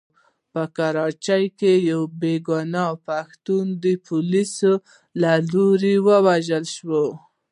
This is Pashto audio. په کراچۍ کې يو بې ګناه پښتون د پوليسو له لوري ووژل شو.